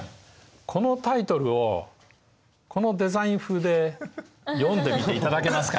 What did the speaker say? このタイトルをこのデザイン風で読んでみていただけますか？